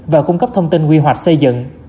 và cung cấp thông tin quy hoạch xây dựng